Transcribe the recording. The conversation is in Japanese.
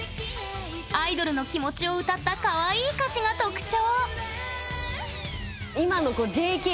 アイドルの気持ちを歌ったかわいい歌詞が特徴。